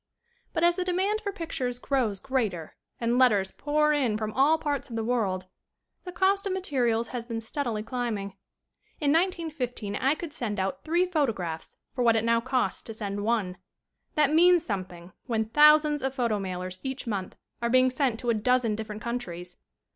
But, as the demand for pictures grows greater and letters pour in from all parts of the world, the cost of materials has been stead ily climbing. In 1915 I could send out three photographs for what it now costs to send one. That means something when thousands of photo mailers each month are being sent to a dozen different countries.